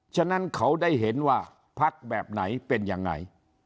ฉะนั้นเขาได้เห็นว่าพักแบบไหนเป็นยังไง